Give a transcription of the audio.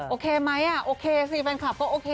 โอเคไหมโอเคสิแฟนคลับก็โอเค